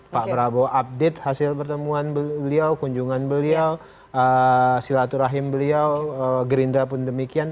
pak prabowo update hasil pertemuan beliau kunjungan beliau silaturahim beliau gerindra pun demikian